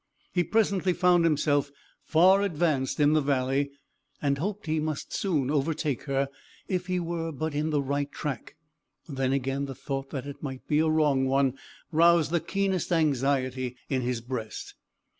He presently found himself far advanced in the valley, and hoped he must soon overtake her, if he were but in the right track. Then again, the thought that it might be a wrong one roused the keenest anxiety in his breast.